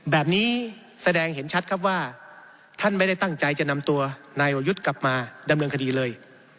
แบบนี้แสดงเห็นชัดครับว่าท่านไม่ได้ตั้งใจจะนำตัวนายวรยุทธ์กลับมาดำเนินคดีเลย